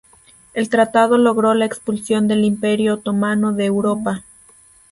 El Tratado logró la expulsión del Imperio otomano de Europa.